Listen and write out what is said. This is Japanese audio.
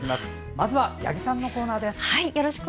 まずは八木さんのコーナーです。